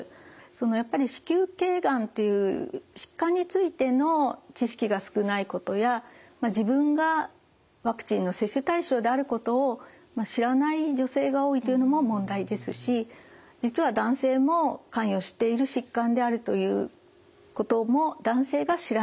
やっぱり子宮頸がんという疾患についての知識が少ないことや自分がワクチンの接種対象であることを知らない女性が多いというのも問題ですし実は男性も関与している疾患であるということも男性が知らない。